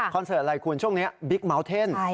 ขอนเซิร์ตอะไรคุณช่วงนี้บิ๊กเคาะแทน